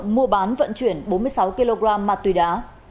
mua bán vận chuyển bốn mươi sáu kg ma túy đá